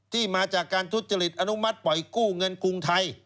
มาจากการทุจริตอนุมัติปล่อยกู้เงินกรุงไทย